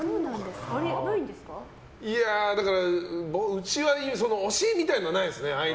うちは推しみたいなのはないですね。